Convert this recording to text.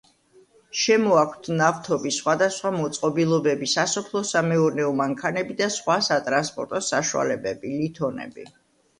შემოაქვთ: ნავთობი, სხვადასხვა მოწყობილობები, სასოფლო-სამეურნეო მანქანები და სხვა სატრანსპორტო საშუალებები, ლითონები.